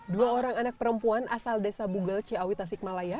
dua orang anak perempuan asal desa bugel ciawi tasikmalaya